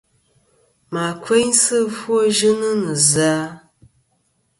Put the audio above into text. Mà kfeynsɨ ɨfwoyɨnɨ nɨ zɨ-a ?